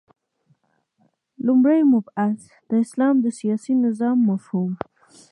لومړی مبحث : د اسلام د سیاسی نظام مفهوم